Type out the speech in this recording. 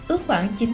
ước khoảng chín